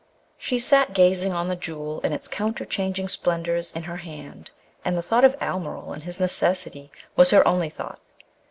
She sat gazing on the Jewel and its counterchanging splendours in her hand, and the thought of Almeryl and his necessity was her only thought.